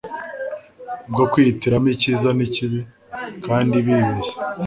bwo kwihitiramo icyiza n ikibi kandi bibeshya